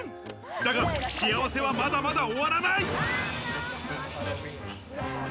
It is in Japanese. だが、幸せは、まだまだ終わらない。